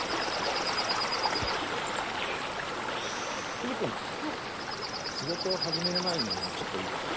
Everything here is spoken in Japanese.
藤君仕事始める前にちょっといいかな。